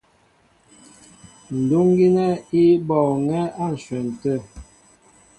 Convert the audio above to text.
Ndúŋ gínɛ́ í bɔɔŋɛ́ á ǹshwɛn tê.